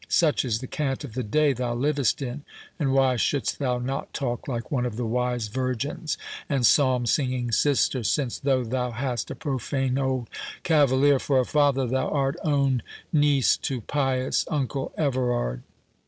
Such is the cant of the day thou livest in, and why shouldst thou not talk like one of the wise virgins and psalm singing sisters, since, though thou hast a profane old cavalier for a father, thou art own niece to pious uncle Everard?"